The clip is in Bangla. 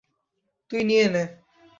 তুই নিয়ে নে।